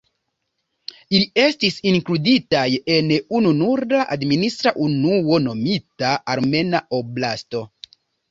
Ili estis inkluditaj en ununura administra unuo nomita Armena Oblasto.